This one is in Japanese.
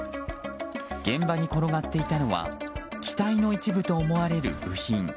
現場に転がっていたのは機体の一部と思われる部品。